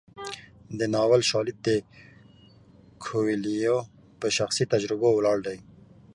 د ناول شالید د کویلیو په شخصي تجربو ولاړ دی.